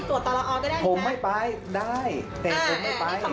ตรวจต่อละออก็ได้ผมไม่ไปได้แต่ผมไม่ไปพี่คำแรกนะพี่